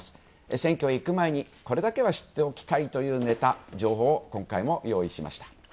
選挙へ行く前にこれだけは知っておきたいというネタ、情報を今回も用意しました。